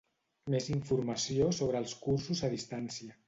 Més informació sobre els cursos a distància.